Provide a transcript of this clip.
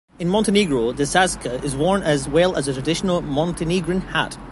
In Montenegro, the šajkača is worn, as well as the traditional Montenegrin hat.